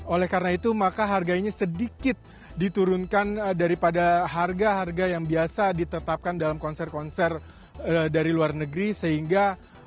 oleh karena itu maka harganya sedikit diturunkan daripada harga harga yang biasa ditetapkan dalam konser konser dari luar negeri sehingga